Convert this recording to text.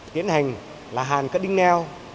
tiến hành là hàn cutting nail